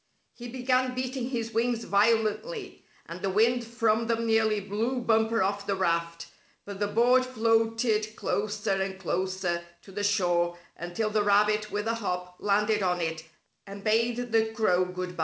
He began beating his wings violently, and the wind from them nearly blew Bumper off the raft, but the board floated closer and closer to the shore until the rabbit with a hop landed on it, and bade the crow good bye.